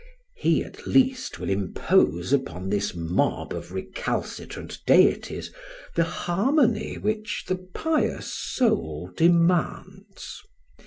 He, at least, will impose upon this mob of recalcitrant deities the harmony which the pious soul demands.